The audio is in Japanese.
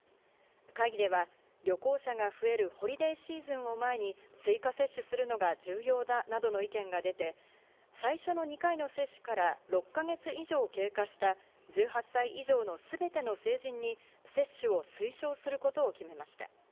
会議では旅行者が増えるホリデーシーズンを前に、追加接種するのが重要だなどの意見が出て、最初の２回の接種から６か月以上経過した１８歳以上のすべての成人に接種を推奨することを決めました。